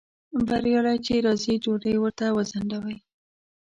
بریالی چې راځي ډوډۍ ورته وځنډوئ